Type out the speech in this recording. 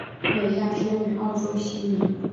美亚生于澳洲悉尼。